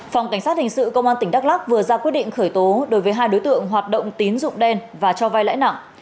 phòng cảnh sát hình sự công an tỉnh đắk lắc vừa ra quyết định khởi tố đối với hai đối tượng hoạt động tín dụng đen và cho vai lãi nặng